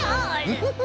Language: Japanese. ウフフフ。